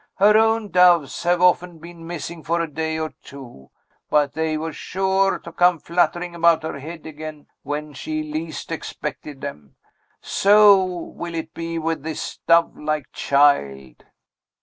Her own doves have often been missing for a day or two, but they were sure to come fluttering about her head again, when she least expected them. So will it be with this dove like child."